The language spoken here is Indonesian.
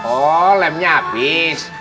oh lemnya abis